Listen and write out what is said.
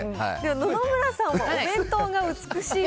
野々村さんはお弁当が美しいと。